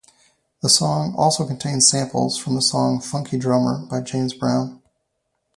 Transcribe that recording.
The song also contains samples from the song "Funky Drummer" by James Brown.